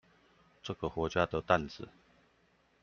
這個國家的擔子